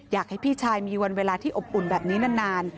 อยากให้พี่ชายมีวันเวลาที่อบอุ่นแบบนี้นาน